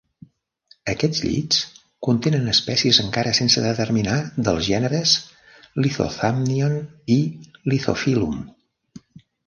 Aquests llits contenen espècies encara sense determinar dels gèneres "Lithothamnion" i "Lithophyllum".